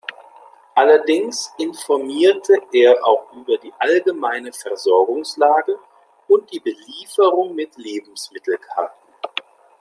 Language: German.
Allerdings informierte er auch über die allgemeine Versorgungslage und die Belieferung mit Lebensmittelkarten.